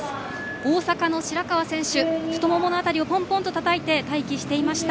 大阪の白川選手が太ももの辺りをたたいて待機していました。